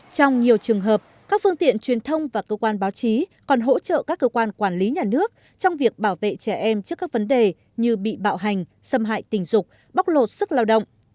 trong nhiều trường hợp các phương tiện truyền thông và cơ quan báo chí còn hỗ trợ các cơ quan quản lý nhà nước trong việc bảo vệ trẻ em trước các vấn đề như bị bạo hành xâm hại tình dục bóc lột sức lao động